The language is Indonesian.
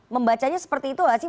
membacanya seperti itu gak sih